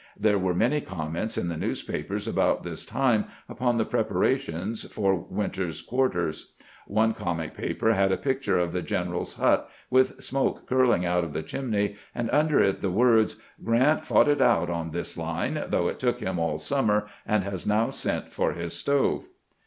There were many comments in the newspapers about this time upon the preparations for winters quarters. One comic paper had a picture of the general's hut, with smoke curling out of the chimney, and under it the words :" Grant fought it out on this line, though it took him all summer, and has now sent for his stove."